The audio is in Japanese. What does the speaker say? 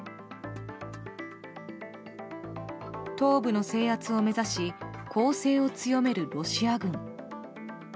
東部の制圧を目指し攻勢を強めるロシア軍。